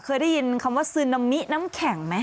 เคยได้ยินคำว่าซึนามิน้ำแข็งไหม